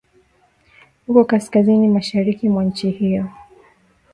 huko kaskazini mashariki mwa nchi hiyo